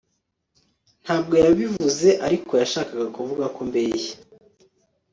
Ntabwo yabivuze ariko yashakaga kuvuga ko mbeshya